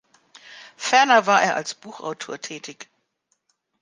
Ferner war er als Buchautor tätig.